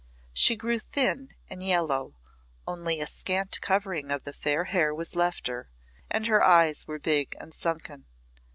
She grew thin and yellow, only a scant covering of the fair hair was left her, and her eyes were big and sunken.